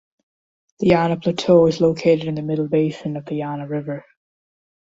The Yana Plateau is located in the middle basin of the Yana River.